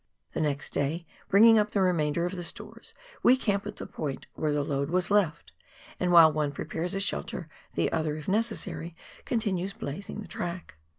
The next day, bringing up the remainder of the stores, we camp at the point where the load was left, and while one prepares a shelter, the other, if necessary, con tinues blazing the track.